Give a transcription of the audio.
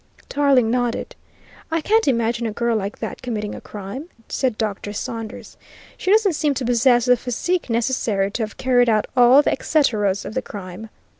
Tarling nodded. "I can't imagine a girl like that committing a murder," said Dr. Saunders. "She doesn't seem to possess the physique necessary to have carried out all the etceteras of the crime.